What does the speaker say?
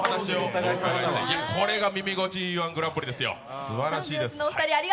これが「耳心地いい−１グランプリ」ですよ